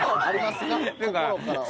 ありますか？